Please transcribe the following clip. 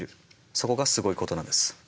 そこがすごいことなんです。